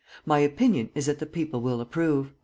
My opinion is that the people will approve!"